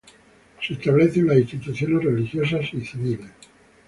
Se establecen las instituciones religiosas y civiles.